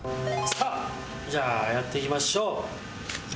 さあじゃあやっていきましょう。